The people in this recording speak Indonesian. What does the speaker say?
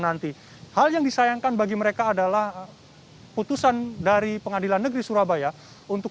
nanti hal yang disayangkan bagi mereka adalah putusan dari pengadilan negeri surabaya untuk